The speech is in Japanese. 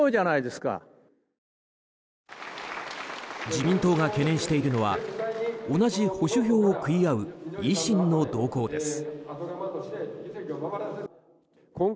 自民党が懸念しているのは同じ保守票を食い合う維新の動向です。